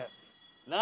何！？